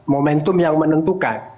momentum yang menentukan